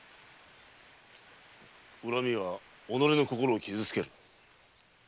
恨みは己の心を傷つける。